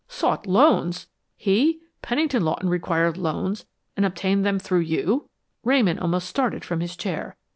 "Sought loans! He Pennington Lawton required loans and obtained them through you?" Ramon almost started from his chair.